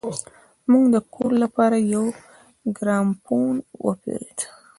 موږ د کور لپاره يو ګرامافون وپېرود.